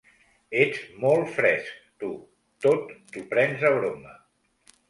Ets molt fresc, tu: tot t'ho prens a broma!